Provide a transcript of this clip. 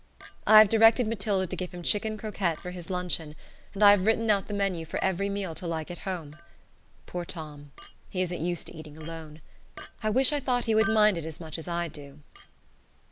I have directed Matilda to give him chicken croquettes for his luncheon, and I have written out the menu for every meal till I get home. Poor Tom! He isn't used to eating alone. I wish I thought he would mind it as much as I do.